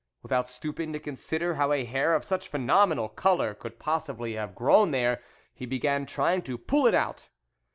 Without stopping to consider how a hair of such a phenomenal colour could possibly have grown there, he began trying to pull it out.